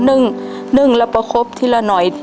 นึ่งแล้วประคบทีละหน่อย